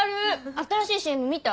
新しいＣＭ見た？